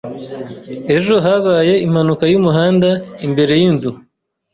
Ejo habaye impanuka yumuhanda imbere yinzu.